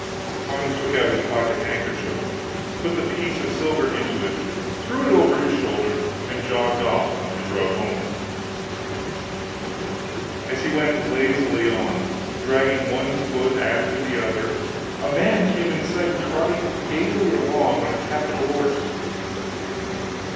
Hans took out his pocket handkerchief, put the piece of silver into it, threw it over his shoulder, and jogged off on his road homewards. As he went lazily on, dragging one foot after another, a man came in sight, trotting gaily along on a capital horse.